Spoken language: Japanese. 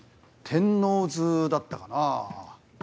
天王洲だったかな。